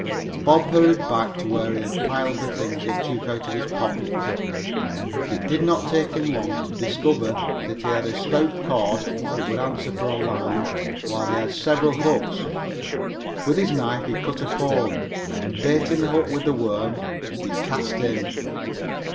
Bob hurried back to where he had piled the things he took from his pockets. It did not take him long to discover that he had a stout cord that would answer for a line, while he also had several hooks. With his knife he cut a pole, and baiting the hook with a worm, he cast in.